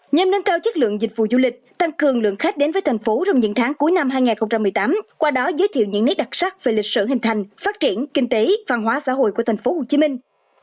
nhằm nâng cao chất lượng dịch vụ du lịch tăng cường lượng khách đến với thành phố trong những tháng cuối năm hai nghìn một mươi tám qua đó giới thiệu những nét đặc sắc về lịch sử hình thành phát triển kinh tế văn hóa xã hội của thành phố hồ chí minh